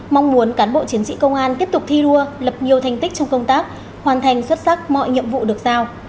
mong muốn cán bộ chiến sĩ công an tiếp tục thi đua lập nhiều thành tích trong công tác hoàn thành xuất sắc mọi nhiệm vụ được giao